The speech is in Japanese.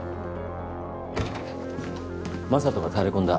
眞人がタレこんだ。